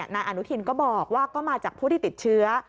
นายอนุทินก็บอกว่าก็มาจากผู้ที่ติดเชื้อ